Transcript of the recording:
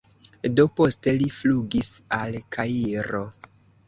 Do poste li flugis al Kairo.